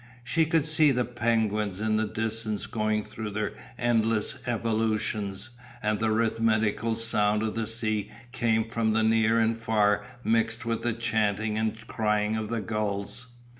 She could see the penguins in the distance going through their endless evolutions, and the rhythmical sound of the sea came from near and far mixed with the chanting and crying of the gulls.